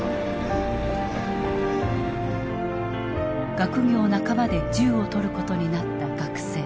学業半ばで銃を取ることになった学生。